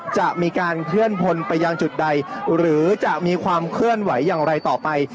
จะมีการเคลื่อนพลไปยังจุดใดหรือจะมีความเคลื่อนไหวอย่างไรต่อไป